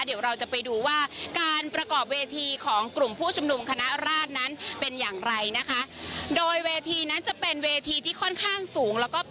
เดี๋ยวเราจะไปดูว่าการประกอบเวทีของกลุ่มผู้ชุมนุมคณะราชนั้นเป็นอย่างไรนะคะโดยเวทีนั้นจะเป็นเวทีที่ค่อนข้างสูงแล้วก็